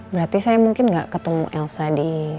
berarti saya mungkin gak ketemu elsa di